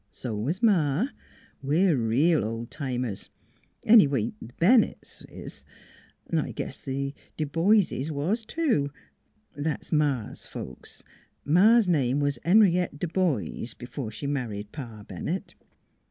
So was Ma. We're reel ol' timers any way, th' Bennetts was; 'n' I guess th' D'boises was, too. That's Ma's folks; Ma's name was Henrietta D'boise b'fore she married Pa Bennett."